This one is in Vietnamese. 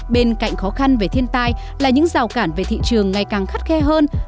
bên cạnh khó khăn về thiên tai là những rào cản về thị trường ngày càng khắt khe hơn